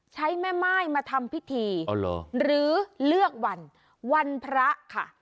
แม่ม่ายมาทำพิธีหรือเลือกวันวันพระค่ะ